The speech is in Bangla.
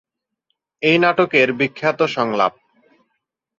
এ নাটকের বিখ্যাত সংলাপ